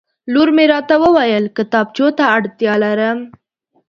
لور مې راته وویل کتابچو ته اړتیا لرم